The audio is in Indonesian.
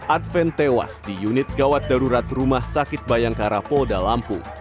adven tewas di unit gawat darurat rumah sakit bayangkara polda lampung